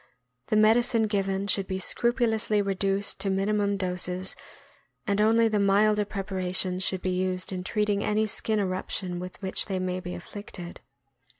The medicine given should be scrupu lously reduced to minimum doses, and only the milder preparations should be used in treating any skin eruption with which they may be afflicted.